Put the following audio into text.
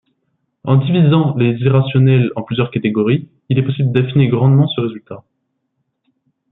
En divisant les irrationnels en plusieurs catégories, il est possible d'affiner grandement ce résultat.